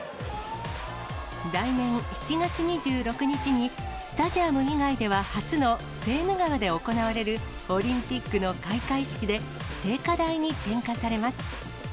来年７月２６日に、スタジアム以外では初のセーヌ川で行われるオリンピックの開会式で聖火台に点火されます。